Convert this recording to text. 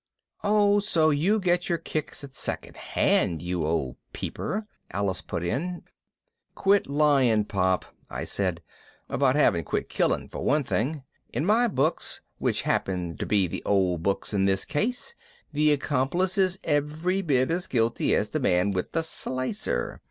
"Oh, so you get your kicks at second hand, you old peeper," Alice put in but, "Quit lying, Pop," I said. "About having quit killing, for one thing. In my books, which happen to be the old books in this case, the accomplice is every bit as guilty as the man with the slicer.